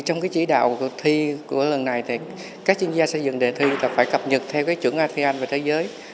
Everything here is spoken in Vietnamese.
trong cái chỉ đạo cuộc thi của lần này thì các chuyên gia xây dựng đề thi là phải cập nhật theo cái chuẩn asean và thế giới